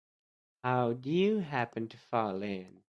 How'd you happen to fall in?